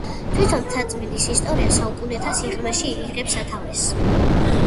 თვითონ მთაწმინდის ისტორია საუკუნეთა სიღრმეში იღებს სათავეს.